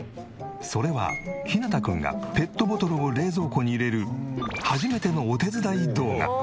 それはひなたくんがペットボトルを冷蔵庫に入れる初めてのお手伝い動画。